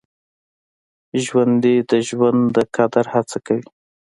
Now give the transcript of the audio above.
ژوندي د ژوند د قدر هڅه کوي